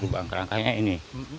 lubang kerangkanya ini